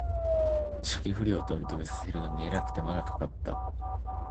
初期不良と認めさせるのにえらく手間がかかった